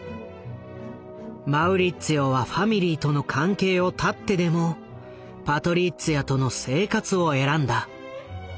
マウリッツィオはファミリーとの関係を断ってでもパトリッツィアとの生活を選んだ。